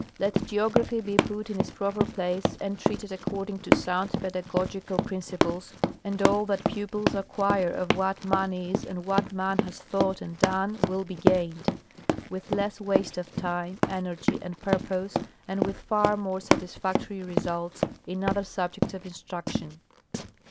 Let geography be put in its proper place and treated ac cording to sound pedagogical principles, and all that pupils acquire of what man is and what man has thought and done will be gained, with less waste of time, energy and purpose and with far more satisfactory results, in other subjects of instruction.